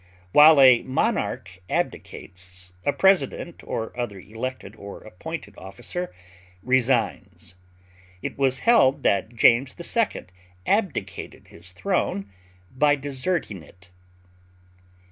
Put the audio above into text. While a monarch abdicates, a president or other elected or appointed officer resigns. It was held that James II. abdicated his throne by deserting it.